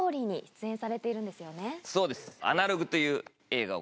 そうです。